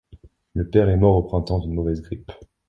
Le père est mort au printemps d'une mauvaise grippe.